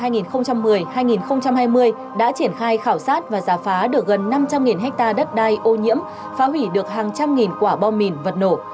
năm hai nghìn một mươi hai nghìn hai mươi đã triển khai khảo sát và giả phá được gần năm trăm linh hectare đất đai ô nhiễm phá hủy được hàng trăm nghìn quả bom mìn vật nổ